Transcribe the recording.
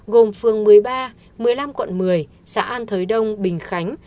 gồm phường một mươi ba một mươi năm quận một mươi xã an thới đông bình khánh